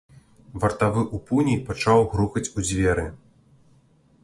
Вартавы ў пуні пачаў грукаць у дзверы.